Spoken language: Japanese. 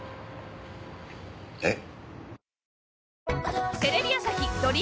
えっ？